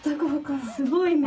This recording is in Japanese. すごいね。